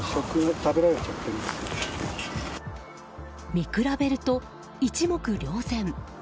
見比べると一目瞭然。